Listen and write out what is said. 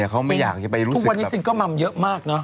เขาไม่อยากจะไปรู้สึกแบบทุกวันนี้สิงค์ก็มาเยอะมากเนอะ